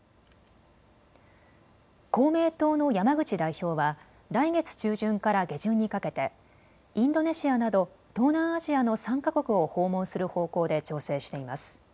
公明党の山口代表は来月中旬から下旬にかけてインドネシアなど東南アジアの３か国を訪問する方向で調整しています。